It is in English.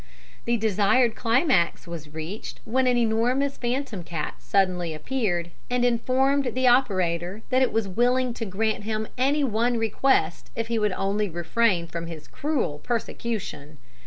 The desired climax was reached, when an enormous phantom cat suddenly appeared, and informed the operator that it was willing to grant him any one request if he would only refrain from his cruel persecution.